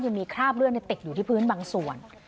ยังมีคราบเลือดติดอยู่ที่พื้นบางส่วน